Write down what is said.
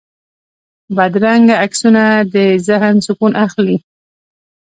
بدرنګه عکسونه د ذهن سکون اخلي